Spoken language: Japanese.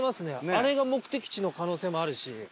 あれが目的地の可能性もあるし。